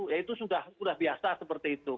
ya itu sudah biasa seperti itu